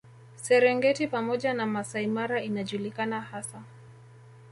Serengeti pamoja na Masai Mara inajulikana hasa